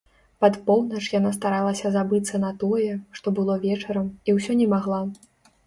Пад поўнач яна старалася забыцца на тое, што было вечарам, і ўсё не магла.